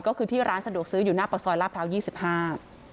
ก็คือที่ร้านสะดวกซื้ออยู่หน้าปากซอยลาดพร้าวยี่สิบห้า